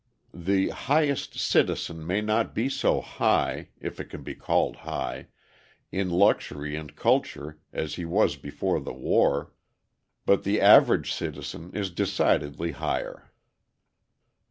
The "highest citizen" may not be so high (if it can be called high) in luxury and culture as he was before the war, but the average citizen is decidedly higher.